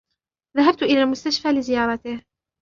ذهبت إلى المستشفى لزيارته.